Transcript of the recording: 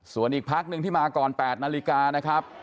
ส่วนอีกพักหนึ่งที่มาก่อน๘นาฬิกานะครับ